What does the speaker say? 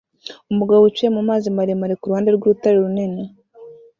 Umugabo wicaye mumazi maremare kuruhande rwurutare runini